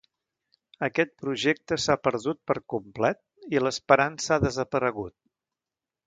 Aquest projecte s’ha perdut per complet i l’esperança ha desaparegut.